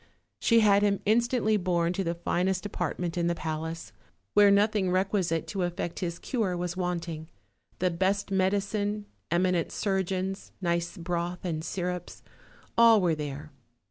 She had him instantly borne to the finest apartment in the palace, where nothing requi site to effect his cure was wanting; the best medicine, eminent surgeons, nice broth and syrups, all were there.